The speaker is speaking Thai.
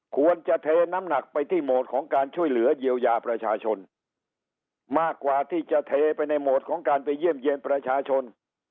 ควรจะเทน้ำหนักไปที่โหมดของการช่วยเหลือเยียวยาประชาชนมากกว่าที่จะเทไปในโหมดของการไปเยี่ยมเยี่ยนประชาชน